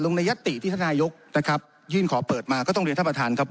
ในยัตติที่ท่านนายกนะครับยื่นขอเปิดมาก็ต้องเรียนท่านประธานครับ